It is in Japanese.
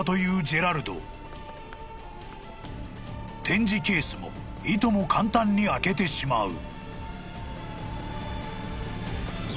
［展示ケースもいとも簡単に開けてしまう］